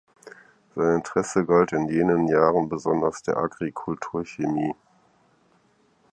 Sein Interesse galt in jenen Jahren besonders der Agrikulturchemie.